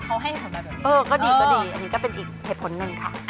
เออก็ดีก็ดีอันนี้ก็เป็นอีกเหตุผลนึงค่ะ